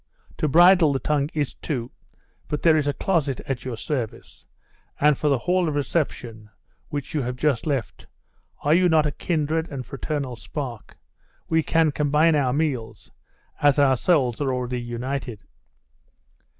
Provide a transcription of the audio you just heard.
To bridle the tongue, is to But there is a closet at your service; and for the hall of reception, which you have just left are you not a kindred and fraternal spark? We can combine our meals, as our souls are already united.